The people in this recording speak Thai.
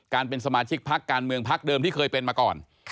การเป็นสมาชิกภักดิ์การเมืองภักดิ์เดิมที่เคยเป็นมาก่อน